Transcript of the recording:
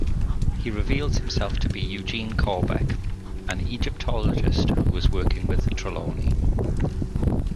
He reveals himself to be Eugene Corbeck, an Egyptologist who was working with Trelawny.